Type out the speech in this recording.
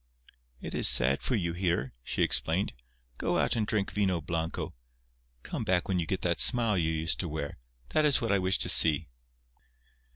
"It is sad for you here," she explained. "Go out and drink vino blanco. Come back when you get that smile you used to wear. That is what I wish to see."